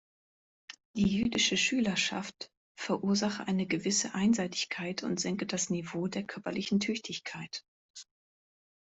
Die jüdische Schülerschaft „verursache eine gewisse Einseitigkeit und senke das Niveau der körperlichen Tüchtigkeit“.